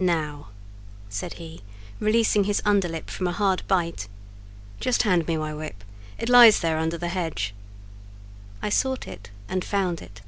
"Now," said he, releasing his under lip from a hard bite, "just hand me my whip; it lies there under the hedge." I sought it and found it.